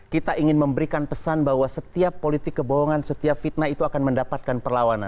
kita ingin memberikan pesan bahwa setiap politik kebohongan setiap fitnah itu akan mendapatkan perlawanan